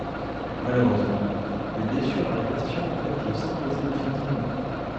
Malheureusement, des blessures à répétition l'empêchent de s'imposer définitivement.